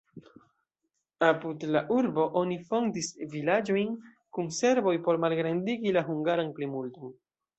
Apud la urbo oni fondis vilaĝojn kun serboj por malgrandigi la hungaran plimulton.